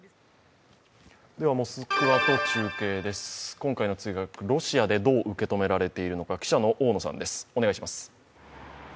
モスクワと中継です、今回の墜落、ロシアでどう受け止められているのか、記者の大野さんです。